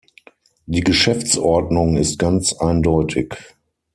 Die Geschäftsordnung ist ganz eindeutig.